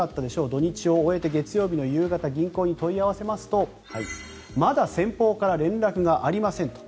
土日を終えて月曜の夕方銀行に問い合わせますとまだ先方から連絡がありませんと。